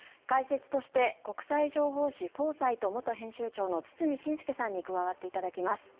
解説として国際情報誌「フォーサイト」元編集長の堤伸輔さんに加わっていただきます。